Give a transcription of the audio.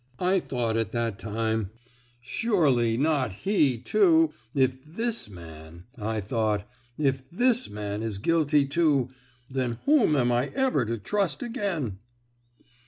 I thought at that time: 'Surely not he, too! If this man,' I thought, 'if this man is guilty too—then whom am I ever to trust again!